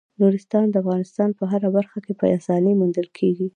نورستان د افغانستان په هره برخه کې په اسانۍ موندل کېږي.